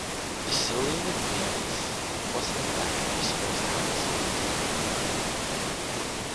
The Cellini Venus was, in fact, his first heist.